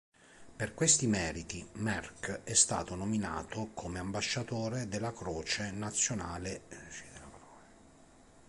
Per questi meriti, Merk è stato nominato come ambasciatore della Croce Rossa Internazionale.